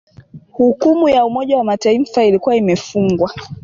Hukumu ya Umoja wa Mataifa ilikuwa imefungwa